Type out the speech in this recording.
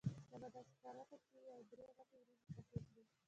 سبا داسې کار وکه چې یو درې غټې وریجې پخې کړې.